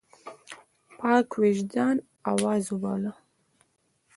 پاک وجدان آواز وباله.